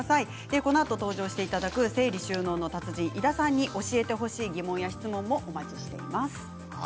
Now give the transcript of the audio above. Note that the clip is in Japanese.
このあと登場していただく整理、収納の達人井田さんに教えてほしい疑問や質問もお待ちしています。